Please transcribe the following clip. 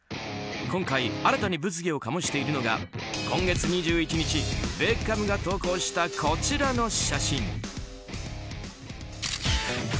今回新たに物議を醸しているのが今月２１日ベッカムが投稿したこちらの写真。